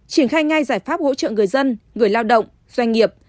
triển khai ngay giải pháp hỗ trợ người dân người lao động doanh nghiệp